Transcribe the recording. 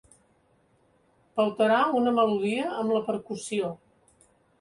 Pautarà una melodia amb la percussió.